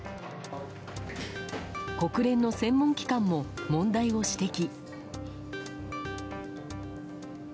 国連の専門機関も問題を指摘。